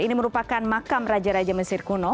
ini merupakan makam raja raja mesir kuno